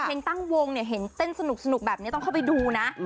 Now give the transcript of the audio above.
เพลงตั้งวงเนี่ยเห็นเต้นสนุกแบบนี้ต้องเข้าไปดูนะ